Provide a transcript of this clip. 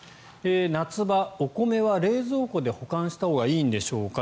夏場、お米は冷蔵庫で保存したほうがいいんでしょうか。